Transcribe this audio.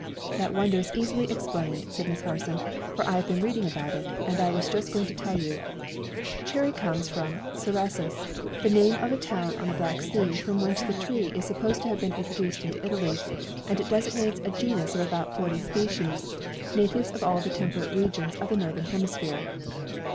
"That wonder is easily explained," said Miss Harson, "for I have been reading about it, and I was just going to tell you. 'Cherry comes from 'Cerasus,' the name of a town on the Black Sea from whence the tree is supposed to have been introduced into Italy, and it designates a genus of about forty species, natives of all the temperate regions of the northern hemisphere.